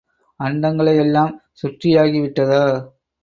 அண்டங்களை எல்லாம் சுற்றியாகி விட்டதா?